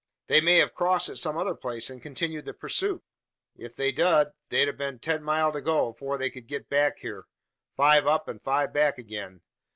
"They may have crossed at some other place, and continued the pursuit?" "If they dud, they'd hev ten mile to go, afore they ked git back hyur five up, an five back agin.